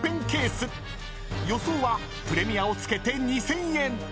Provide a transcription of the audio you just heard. ［予想はプレミアをつけて２，０００円］